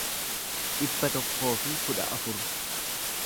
dhibba tokkoo fi kudha afur